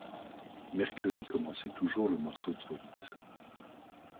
Mercury commençait toujours le morceau trop vite.